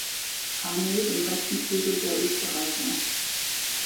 Armee den rechten Flügel der Österreicher.